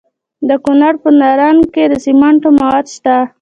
د کونړ په نرنګ کې د سمنټو مواد شته.